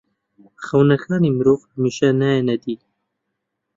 خەونەکانی مرۆڤ هەمیشە نایەنە دی.